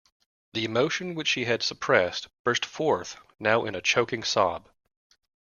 The emotion which she had suppressed burst forth now in a choking sob.